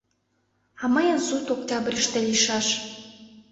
А мыйын суд октябрьыште лийшаш.